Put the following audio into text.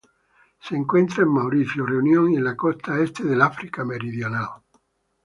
Se encuentra en Mauricio, Reunión y en la costa este del África meridional.